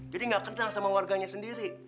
jadi nggak kenal sama warganya sendiri